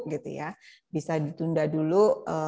gitu ya bisa ditunda dulu